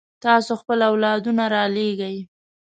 تاسو خپل اولادونه رالېږئ.